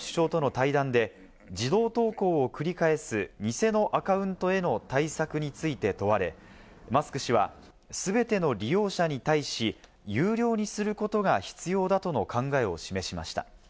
イスラエルのネタニヤフ首相との対談で自動投稿を繰り返す、偽のアカウントへの対策について問われ、マスク氏は全ての利用者に対し、有料にすることが必要だとの考えを示しました。